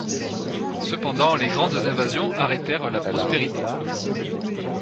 Cependant les grandes invasions arrêtèrent la prospérité.